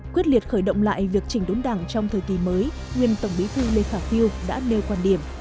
quyết liệt khởi động lại việc chỉnh đốn đảng trong thời kỳ mới nguyên tổng bí thư lê khả phiêu đã nêu quan điểm